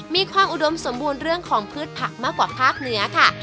มีความอุดมสมบูรณ์เรื่องของพืชผักมากกว่าภาคเหนือค่ะ